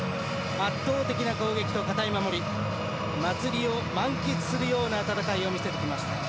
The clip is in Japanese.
圧倒的な攻撃と堅い守り祭りを満喫するような戦いを見せてきました。